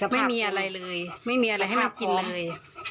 ไม่มีอะไรเลยไม่มีอะไรให้มันกินเลย